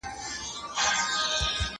موږ همېشه ګټلې ده.